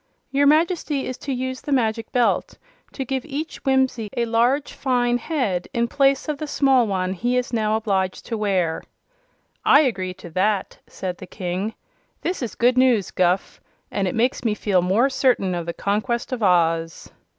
"Your Majesty is to use the Magic Belt to give each Whimsie a large, fine head, in place of the small one he is now obliged to wear." "I agree to that," said the King. "This is good news, Guph, and it makes me feel more certain of the conquest of Oz."